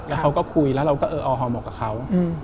แล้วเขาก็คุยแล้วเราก็เอออฮอเหมาะกับเขา